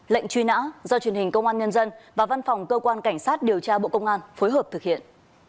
lệnh truy nã do truyền hình công an nhân dân và văn phòng cơ quan cảnh sát điều tra bộ công an phối hợp thực hiện